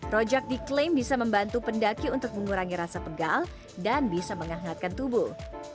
rojak diklaim bisa membantu pendaki untuk mengurangi rasa pegal dan bisa menghangatkan tubuh